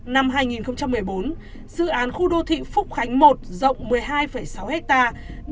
năm hai nghìn một mươi bốn dự án khu đô thị phúc khánh một rộng một mươi hai sáu hectare